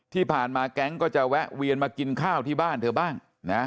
ที่ผ่านมาแก๊งก็จะแวะเวียนมากินข้าวที่บ้านเธอบ้าง